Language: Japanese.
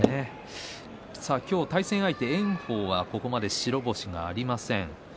対戦相手の炎鵬はここまで白星がありません。